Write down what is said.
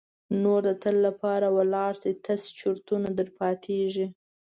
نور د تل لپاره ولاړ سي تش چرتونه در پاتیږي.